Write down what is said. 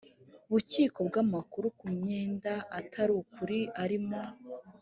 bubiko bw amakuru ku myenda atari ukuri arimo